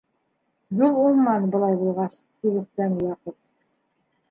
- Юл уңманы былай булғас, - тип өҫтәне Яҡуп.